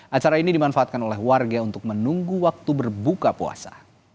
acara ini dimanfaatkan oleh warga untuk menunggu waktu berbuka puasa